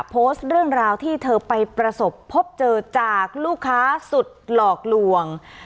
โพสต์เรื่องราวที่เธอไปประสบพบเจอจากลูกค้าสุดหลอกลวง